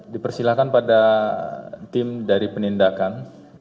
dipersilahkan pada tim dari penindakan